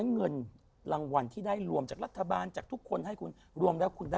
เงินรางวัลที่ได้รวมจากรัฐบาลรวมแล้วคุณได้ประมาณอะไร